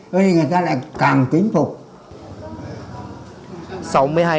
rồi người ta lại càng tính phục